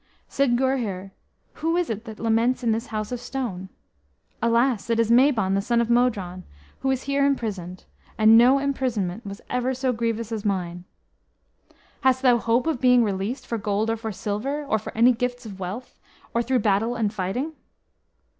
Said Gurhyr, "Who is it that laments in this house of stone?" "Alas! it is Mabon, the son of Modron, who is here imprisoned; and no imprisonment was ever so grievous as mine." "Hast thou hope of being released for gold or for silver, or for any gifts of wealth, or through battle and fighting?"